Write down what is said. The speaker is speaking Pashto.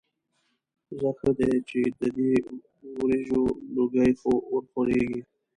ځه ښه دی چې د دې وریجو لوګي خو ورخوريږي.